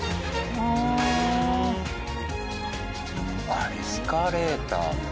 あっエスカレーターもね。